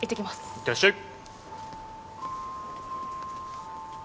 いってらっしゃい！